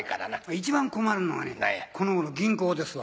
一番困るのはこの頃銀行ですわ。